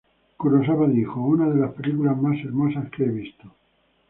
Kurosawa lo llamó "una de las películas más hermosas que he visto".